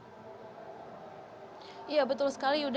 ya saya juga ingin mencoba untuk mencoba untuk mencoba untuk mencoba untuk mencoba